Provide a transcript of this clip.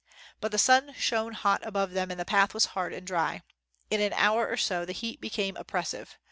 But the sun shone hot above them, and the path was hard and dry. In an hour or so, the heat became oppressive.